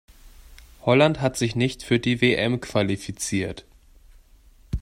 Holland hat sich nicht für die WM qualifiziert.